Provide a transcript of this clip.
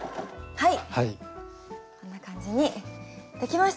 はい。